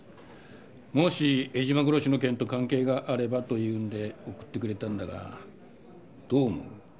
もし江島殺しの件と関係があればというんで送ってくれたんだがどう思う？